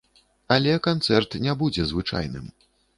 Але канцэрт не будзе звычайным.